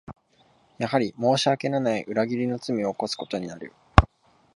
やはり申し訳のない裏切りの罪を犯すことになる